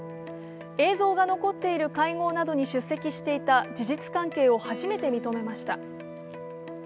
映像が残っている会合などに出席していた事実関係を初めて認めました。